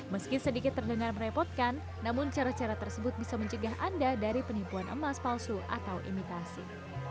meski sedikit terdengar merepotkan namun cara cara tersebut bisa mencegah anda dari penipuan emas palsu atau imitasi